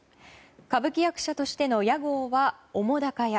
歌舞伎役者としての屋号は澤瀉屋。